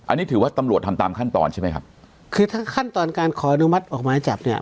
อันนี้ถือว่าตำรวจทำตามขั้นตอนใช่ไหมครับคือถ้าขั้นตอนการขออนุมัติออกไม้จับเนี่ย